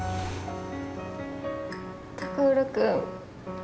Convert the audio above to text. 高浦君。